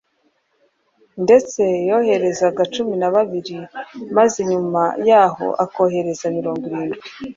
Ndetse yoherezaga cumi na babiri maze nyuma yaho akohereza mirongo irindwi